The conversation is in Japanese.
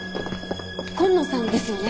今野さんですよね。